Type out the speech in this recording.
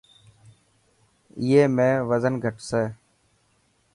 ائي ۾ وزن کهٽي.